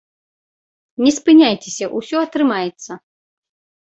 Не спыняйцеся, усё атрымаецца.